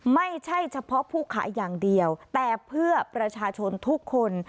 ไม่ใช่เฉพาะผู้ขายอย่างเดียวแต่เพื่อประชาชนทุกคน